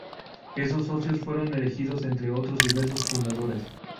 Esos socios fueron elegidos entre otros diversos fundadores.